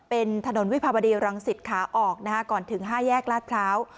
เป็นถนนวิพาบดีรังสิตค่ะออกนะคะก่อนถึงห้าแยกลาดเท้า